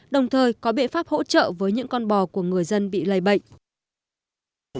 đồng thời có biện pháp hỗ trợ với những con bò của người dân bị lây bệnh